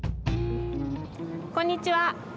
こんにちは！